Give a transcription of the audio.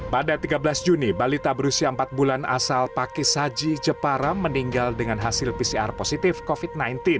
pada tiga belas juni balita berusia empat bulan asal pakis haji jepara meninggal dengan hasil pcr positif covid sembilan belas